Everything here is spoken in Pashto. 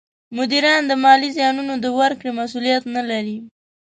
مدیران د مالي زیانونو د ورکړې مسولیت نه لري.